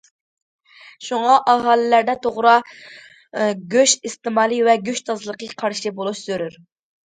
شۇڭا، ئاھالىلەردە توغرا گۆش ئىستېمالى ۋە گۆش تازىلىقى قارىشى بولۇش زۆرۈر.